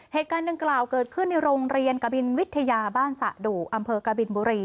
เหตุการณ์ดังกล่าวเกิดขึ้นในโรงเรียนกบินวิทยาบ้านสะดุอำเภอกบินบุรี